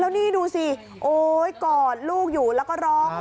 แล้วนี่ดูสิโอ๊ยกอดลูกอยู่แล้วก็ร้อง